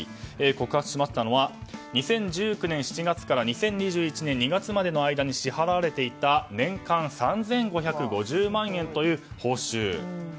告発しましたのは２０１９年７月から２０２１年２月までの間に支払われていた年間３５５０万円という報酬。